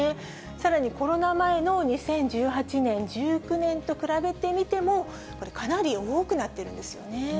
さらにコロナ前の２０１８年、１９年と比べてみても、これ、かなり多くなっているんですよね。